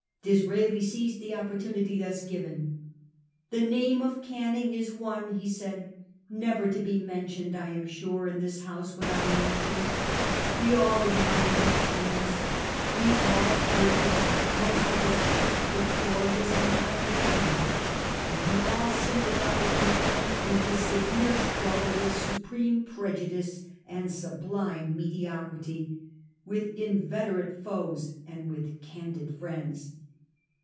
Disraeli seized the opportunity thus given. * The name of Canning is one,' he said, ' never to be mentioned, I am sure, in this House without emotion. "We all admire his genius; we all, or at least most of us, deplore his untimely end ; and we all sympathise with him in his severe struggle with supreme pre judice and sublime mediocrity, with inveterate foes and with candid friends.